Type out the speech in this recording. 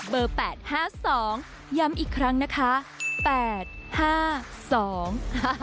แปดห้าสองย้ำอีกครั้งนะคะแปดห้าสอง